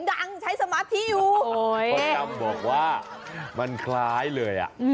คนตำบอกว่ามันคล้ายเลย